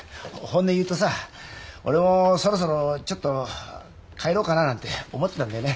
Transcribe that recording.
本音言うとさ俺もそろそろちょっと帰ろうかななんて思ってたんだよね。